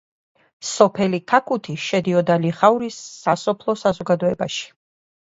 სოფელი ქაქუთი შედიოდა ლიხაურის სასოფლო საზოგადოებაში.